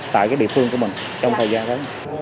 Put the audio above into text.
tại cái địa phương của mình trong thời gian tới